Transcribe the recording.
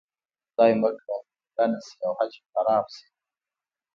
خدای مه کړه مړه نه شي او حج مې خراب شي.